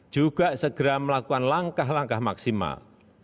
juga segera melakukan langkah langkah maksimal